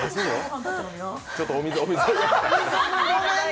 ちょっとお水、お水。